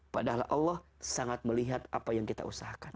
padahal allah sangat melihat apa yang kita usahakan